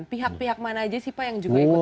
pihak pihak mana aja sih pak yang juga ikut